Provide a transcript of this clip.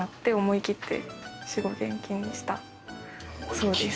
そうです。